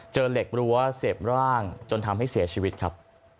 เหล็กรั้วเสพร่างจนทำให้เสียชีวิตครับ